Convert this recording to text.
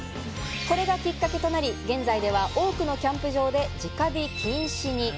これがきっかけとなり、現在では多くのキャンプ場で直火禁止に。